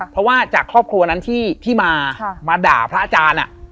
เพราะว่าจากครอบครัวนั้นที่มามาด่าพระอาจารย์